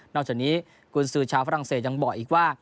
จากนี้กุญสือชาวฝรั่งเศสยังบอกอีกว่า